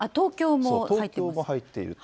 東京も入っています。